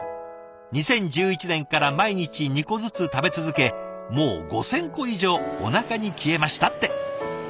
２０１１年から毎日２個ずつ食べ続け、もう５０００個以上、お腹に消えました」って。